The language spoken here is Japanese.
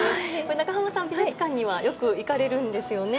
長濱さん、美術館にはよく行かれるんですよね。